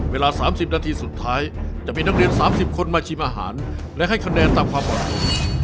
เวลา๓๐นาทีสุดท้ายจะมีนักเรียน๓๐คนมาชิมอาหารและให้คะแนนตามความเหมาะสม